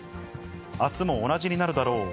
あすも同じになるだろう。